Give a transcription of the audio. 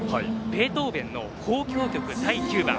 ベートーベンの「交響曲第九番」。